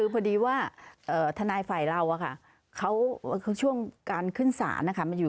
พอดีว่าทนายฝ่ายเราคือช่วงการขึ้นศาลนะคะ